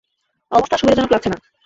অবস্থা সুবিধাজনক লাগছে না!